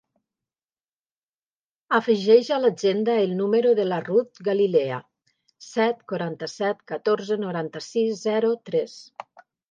Afegeix a l'agenda el número de la Ruth Galilea: set, quaranta-set, catorze, noranta-sis, zero, tres.